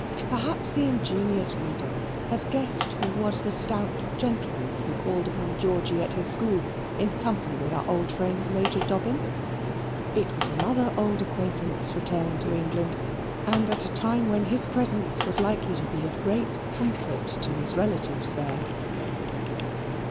Perhaps the ingenious reader has guessed who was the stout gentleman who called upon Georgy at his school in company with our old friend Major Dobbin. It was another old acquaintance returned to England, and at a time when his presence was likely to be of great comfort to his relatives there.